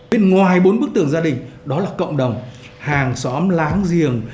bên ngoài bốn bức tường gia đình đó là cộng đồng hàng xóm láng giềng